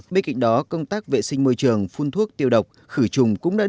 bên cạnh đó công tác vệ sinh môi trường phun thuốc tiêu độc khử trùng